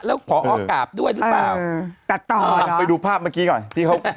แล้วขอออกราบด้วยหรือยังเปล่าตัดต่อหรอไปดูภาพเมื่อกี้ก่อนพี่เกิด